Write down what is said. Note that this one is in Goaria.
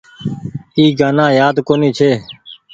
اي گآنآ يآد ڪونيٚ ڇي۔